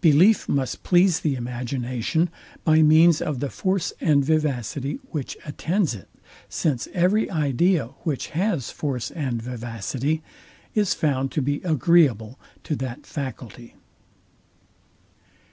Belief must please the imagination by means of the force and vivacity which attends it; since every idea, which has force and vivacity, is found to be agreeable to that faculty.